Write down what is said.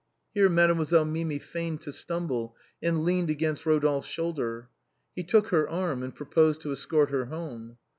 Here Mademoiselle Mimi feigned to stumble, and leaned against Eodolphe's shoulder. He took her arm and pro posed to escort her home.